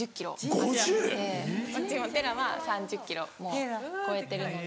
こっちもテラは３０ｋｇもう超えてるので。